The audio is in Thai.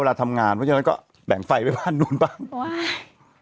เวลาทำงานเพราะฉะนั้นก็แบ่งไฟไปบ้านนู้นบ้าง